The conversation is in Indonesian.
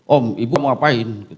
om ibu mau ngapain